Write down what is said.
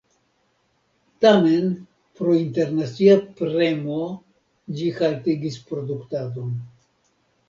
Tamen pro internacia premo ĝi haltigis produktadon.